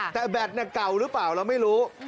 แต่แบตเก่าหรือเปล่าเราไม่รู้